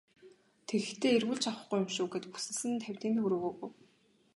Тэгэхдээ эргүүлж авахгүй юм шүү гээд бүсэлсэн тавьтын төгрөг өгөв.